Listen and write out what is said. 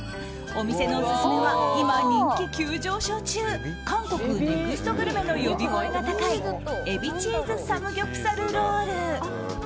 お店のオススメは今、人気急上昇中韓国ネクストグルメの呼び声が高いエビチーズサムギョプサルロール。